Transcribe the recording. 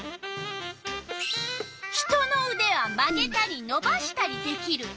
人のうでは曲げたりのばしたりできる。